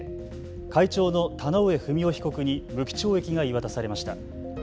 会長の田上不美夫被告に無期懲役が言い渡されました。